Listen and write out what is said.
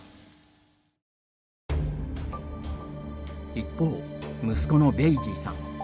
一方、息子のベイジーさん。